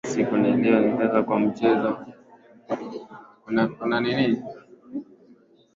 kwa mcheza kriketi ambapo hiyo jana